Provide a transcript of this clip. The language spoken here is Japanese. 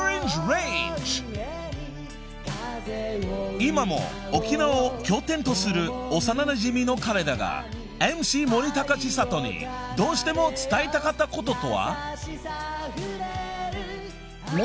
［今も沖縄を拠点とする幼なじみの彼らがＭＣ森高千里にどうしても伝えたかったこととは］